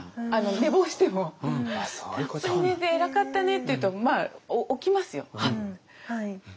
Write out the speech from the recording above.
寝坊しても「たっぷり寝て偉かったね」って言うとまあ起きますよハッて。